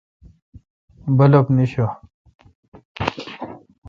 بلب نیݭہ